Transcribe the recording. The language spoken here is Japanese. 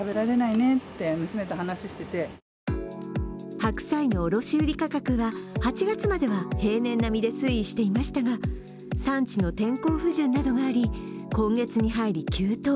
白菜の卸売価格は８月までは平年並みで推移していましたが、産地の天候不順などがあり、今月に入り急騰。